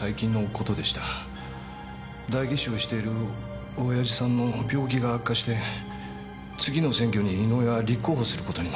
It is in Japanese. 代議士をしている親父さんの病気が悪化して次の選挙に井上が立候補することになったんです。